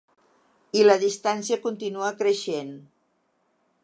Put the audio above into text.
I la distància continua creixent.